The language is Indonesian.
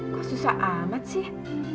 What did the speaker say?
kok susah amat sih